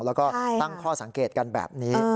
แล้วก็ตั้งข้อสังเกตกันแบบนี้